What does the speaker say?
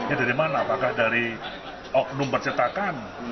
ini dari mana apakah dari oknum percetakan